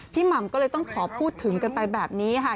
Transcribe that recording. หม่ำก็เลยต้องขอพูดถึงกันไปแบบนี้ค่ะ